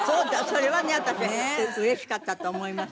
それはね私は嬉しかったと思います。